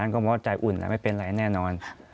ก็บอกว่าใจอุ่นไม่เป็นอะไรแน่นอน